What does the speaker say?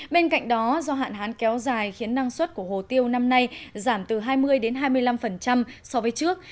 bên cạnh đó do hạn hán kéo dài khiến năng suất của hồ tiêu năm nay giảm từ hai mươi hai mươi năm so với trước